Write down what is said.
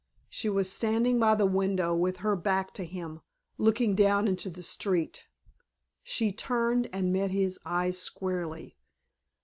She was standing by the window with her back to him, looking down into the street. She turned and met his eyes squarely.